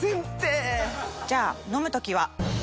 じゃあ飲む時は？